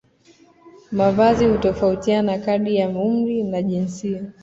Mavazi hutofautiana kadiri ya umri na jinsia